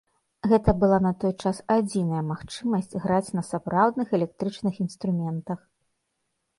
Гэта была на той час адзіная магчымасць граць на сапраўдных электрычных інструментах.